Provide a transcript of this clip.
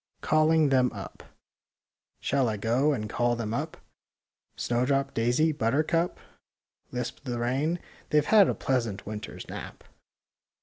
CALLING THEM UP ii Shall I go and call them up,— Snowdrop, daisy, buttercup? " Lisped the rain. '' They've had a pleasant winter's nap."